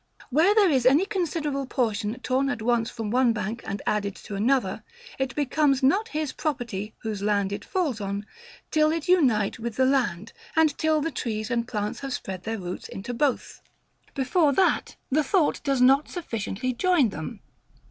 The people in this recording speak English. Where there is any considerable portion torn at once from one bank and added to another, it becomes not his property, whose land it falls on, till it unite with the land, and till the trees and plants have spread their roots into both. Before that, the thought does not sufficiently join them.